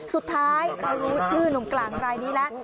สุดท้ายเรารู้ชื่อหนุ่มกลางรายนี้แล้ว